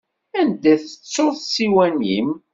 Anda i tettuḍ ssiwan-im?